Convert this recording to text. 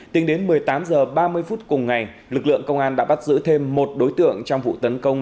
tính đến một mươi tám h ba mươi phút cùng ngày lực lượng công an đã bắt giữ thêm một đối tượng trong vụ tấn công